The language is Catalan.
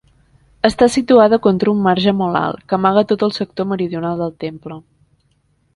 Està situada contra un marge molt alt, que amaga tot el sector meridional del temple.